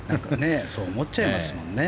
そう思っちゃいますよね。